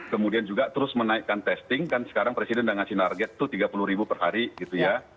kemudian juga terus menaikkan testing kan sekarang presiden sudah ngasih target itu tiga puluh ribu per hari gitu ya